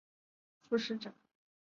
后任重庆市副市长。